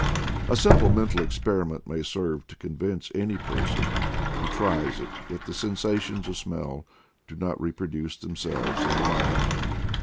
A simple mental experiment may serve to con vince any person who tries it that the sensations of smell do not reproduce themselves in the mind.